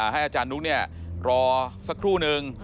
ให้อาจารย์นุกนี่รอสักครู่หนึ่ง